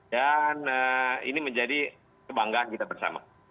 dan ini menjadi kebanggaan kita bersama